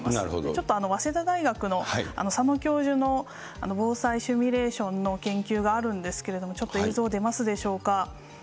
ちょっと早稲田大学の佐野教授の防災シミュレーションの研究があるんですけれども、ちょっと映像出ますでしょうか。